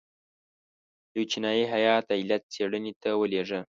یو چینایي هیات د علت څېړنې ته ولېږه.